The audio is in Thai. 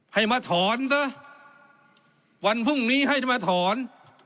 ให้มาถอนซะวันพรุ่งนี้ให้มาถอน